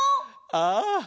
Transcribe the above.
ああ。